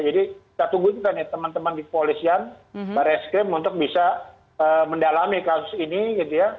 jadi kita tunggu juga nih teman teman di polisian para eskrim untuk bisa mendalami kasus ini